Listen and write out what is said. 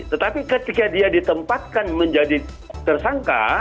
tetapi ketika dia ditempatkan menjadi tersangka